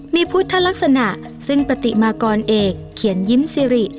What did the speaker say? มีพุทธลักษณะซึ่งปฏิมากรเอกเขียนยิ้มซิริ